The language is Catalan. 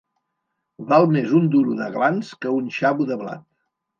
Val més un duro d'aglans que un xavo de blat.